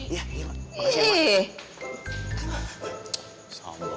iya mak makasih mak